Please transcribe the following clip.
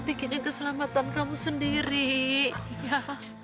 bikinin keselamatan kamu sendiri ya